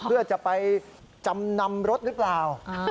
เพื่อจะไปจำนำรถหรือเปล่า